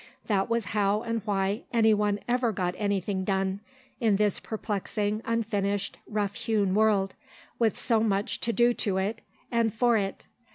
That was how and why anyone ever got anything done, in this perplexing, unfinished, rough hewn world, with so much to do to it, and for it.